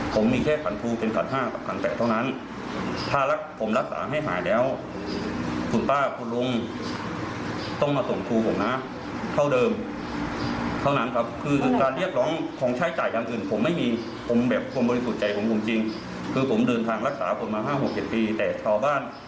ผมเดินทางรักษาผมมา๕๗ปีแต่ชาวบ้าน